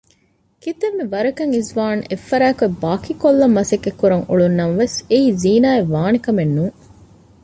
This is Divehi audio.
ކިތައްމެ ވަރަކަށް އިޒުވާނު އެއްފަރާތްކޮށް ބާކީކޮށްލަން މަސައްކަތް ކުރަން އުޅުނަމަވެސް އެއީ ޒީނާއަށް ވާނެ ކަމެއް ނޫން